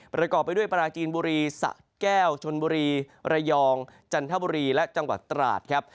ประกอบไปด้วยปราจีนบุรีสะแก้วชนบุรีระยองจันทบุรีและจังหวัดตราดครับ